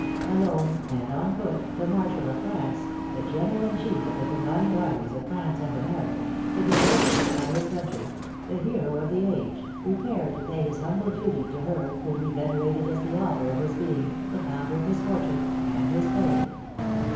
Alone, and on foot, the marshal of France, the general in chief of the combined armies of France and America, the deliverer of his country, the hero of the age, repaired to pay his humble duty to her whom he venerated as the author of his being, the founder of his fortune and his fame.